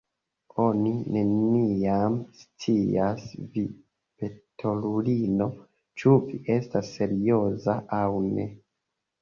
Oni neniam scias, vi petolulino, ĉu vi estas serioza aŭ ne.